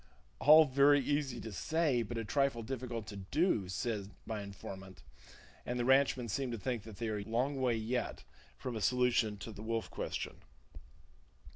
"All very easy to say, but a trifle difficult to do!" said my informant; and the ranchman seem to think they are yet a long way from a solution of the wolf question.